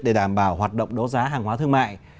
để đảm bảo hoạt động đấu giá hàng hóa thương mại